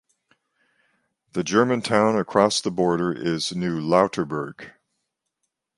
The German town across the border is Neulauterburg.